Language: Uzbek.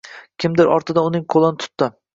Kimdir ortidan uning qoʻlini tutdi.